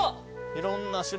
いろんな種類の。